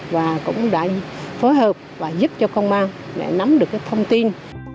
và cũng đã phối hợp và giúp cho công an để nắm được cái thông tin